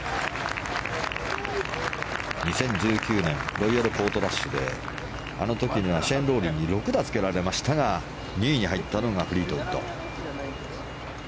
２０１９年ロイヤル・ポートラッシュであの時にはシェーン・ロウリーに差をつけられましたが２位に入ったのがフリートウッド。